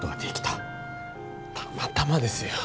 たまたまですよ。